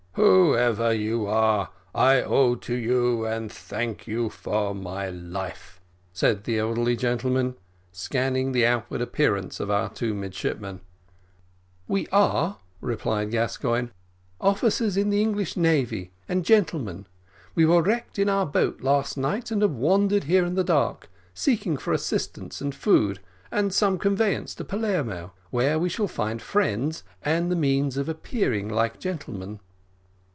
"Whoever you are, I owe to you and thank you for my life," said the elderly gentleman, scanning the outward appearance of our two midshipmen. "We are," said Gascoigne, "officers in the English navy, and gentlemen; we were wrecked in our boat last night, and have wandered here in the dark, seeking for assistance, and food, and some conveyance to Palermo, where we shall find friends, and the means of appearing like gentlemen."